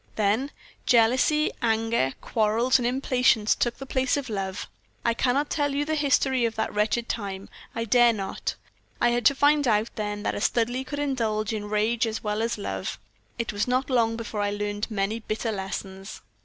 "Then jealousy, anger, quarrels, and impatience took the place of love. I cannot tell you the history of that wretched time I dare not. I had to find out then that a Studleigh could indulge in rage as well as love. It was not long before I learned many bitter lessons.